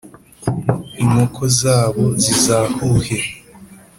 inkoko zabo zizahuhe